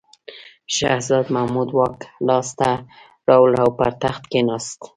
شهزاده محمود واک لاس ته راوړ او پر تخت کښېناست.